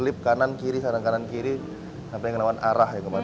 jadi pengennya ya selip selip kanan kiri kanan kiri sampai ngelawan arah ya